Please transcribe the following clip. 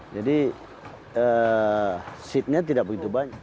jadi seat nya tidak begitu banyak